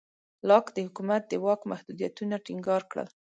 لاک د حکومت د واک محدودیتونه ټینګار کړل.